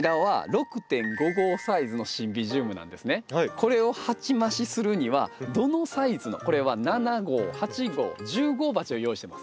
これを鉢増しするにはどのサイズのこれは７号８号１０号鉢を用意してます。